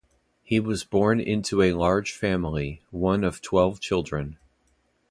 He was born into a large family, one of twelve children.